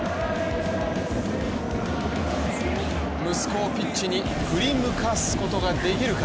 息子をピッチに振り向かすことができるか。